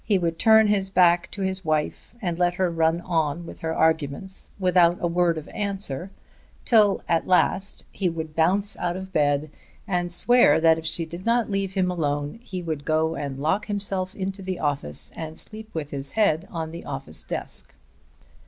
He would turn his back to his wife and let her run on with her arguments without a word of answer, till at last he would bounce out of bed and swear that if she did not leave him alone he would go and lock himself into the office and sleep with his head on the office desk.